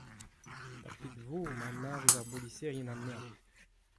Tapet e vo ma anavez ar boliserien anezhañ.